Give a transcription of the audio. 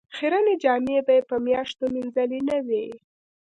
خیرنې جامې یې په میاشتو مینځلې نه وې.